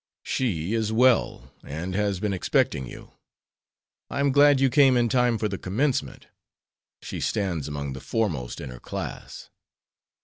"She is well, and has been expecting you. I am glad you came in time for the commencement. She stands among the foremost in her class."